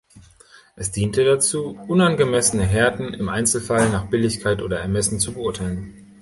Es diente dazu, unangemessene Härten im Einzelfall nach Billigkeit oder Ermessen zu beurteilen.